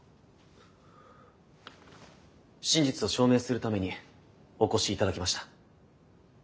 真実を証明するためにお越しいただきました。